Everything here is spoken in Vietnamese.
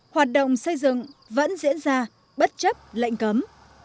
hoạt động xây dựng vẫn diễn ra bất chấp lệnh cấm